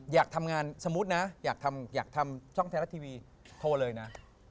อยากทำงานสมมุตินะอยากทำช่องไทยรัฐทีวีโทรเลยนะ